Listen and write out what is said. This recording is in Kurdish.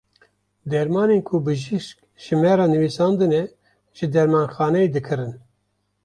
Dermanên ku bijîşk ji me re nivîsandine, ji dermanxaneyê dikirin.